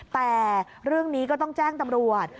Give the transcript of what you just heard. แต่เรื่องนี้ก็ต้องแจ้งตำรวจ